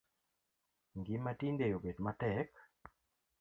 Ngima tinde obet matek